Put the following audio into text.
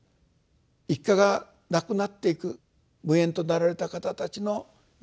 一家が亡くなっていく無縁となられた方たちの安らぐことを祈る